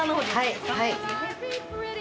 はい。